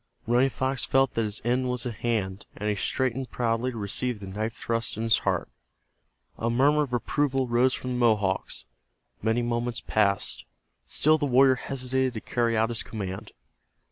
Running Fox felt that his end was at hand, and he straightened proudly to receive the knife thrust in his heart. A murmur of approval rose from the Mohawks. Many moments passed. Still the warrior hesitated to carry out his command.